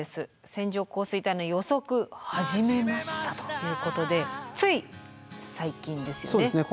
「線状降水帯の予測始めました！」ということでつい最近ですよね。